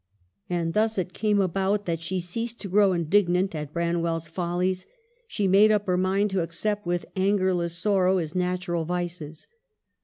And thus it came about that she ceased to grow indignant at Branwell's follies ; she made up her mind to accept with angerless sorrow his natural vices.